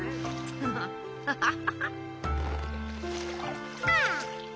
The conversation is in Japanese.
アハハハハハハ。